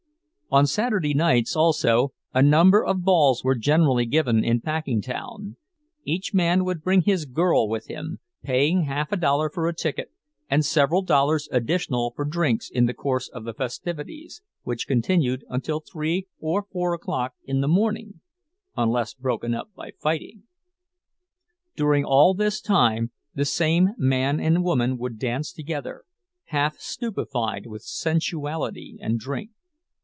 On Saturday nights, also, a number of balls were generally given in Packingtown; each man would bring his "girl" with him, paying half a dollar for a ticket, and several dollars additional for drinks in the course of the festivities, which continued until three or four o'clock in the morning, unless broken up by fighting. During all this time the same man and woman would dance together, half stupefied with sensuality and drink.